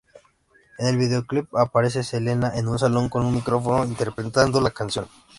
En el videoclip aparece Selena en un salón con un micrófono, interpretando la canción.